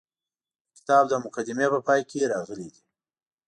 د کتاب د مقدمې په پای کې راغلي دي.